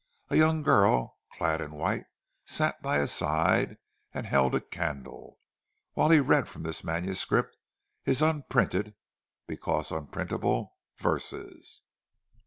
A young girl clad in white sat by his side and held a candle, while he read from this manuscript his unprinted (because unprintable) verses.